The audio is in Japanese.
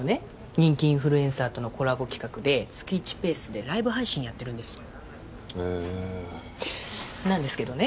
人気インフルエンサーとのコラボ企画で月１ペースでライブ配信やってるんですへえなんですけどね